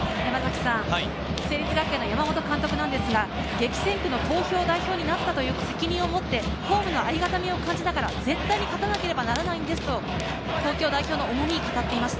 成立学園・山本監督ですが、激戦区の東京代表になったという責任を持ってホームのありがたみを感じながら、絶対に勝たなければならないんですと東京代表の重みを語っています。